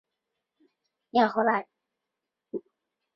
闽中十才子之一。